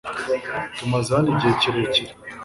Tumaze hano igihe kirekire .